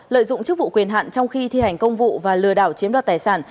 lợi dụng chức vụ quyền hạn trong khi thi hành công vụ và lừa đảo chiếm đoạt tài sản